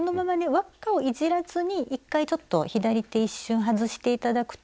輪っかをいじらずに１回ちょっと左手一瞬外して頂くと。